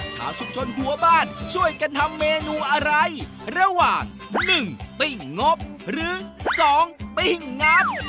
ชาวชุมชนหัวบ้านช่วยกันทำเมนูอะไรระหว่าง๑ปิ้งงบหรือ๒ปิ้งงัด